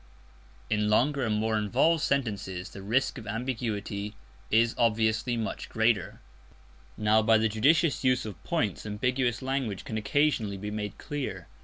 In longer and more involved sentences the risk of ambiguity is obviously much greater. Now by the judicious use of points ambiguous language can occasionally be made clear.